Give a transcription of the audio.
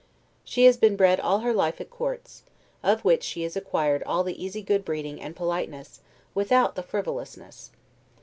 She has been bred all her life at courts; of which she has acquired all the easy good breeding and politeness, without the frivolousness.